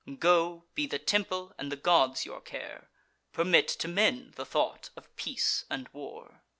Go; be the temple and the gods your care; Permit to men the thought of peace and war."